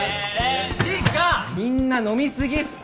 みんな飲み過ぎっすよ。